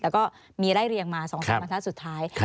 แล้วก็มีไร่เรียงมา๒๓ปัญหาสุดท้าย